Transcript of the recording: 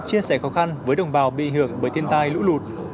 chia sẻ khó khăn với đồng bào bị hưởng bởi thiên tai lũ lụt